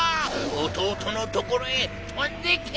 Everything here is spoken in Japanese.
おとうとのところへとんでけ！